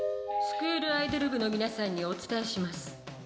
「スクールアイドル部の皆さんにお伝えします。